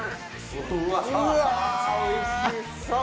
うわおいしそう！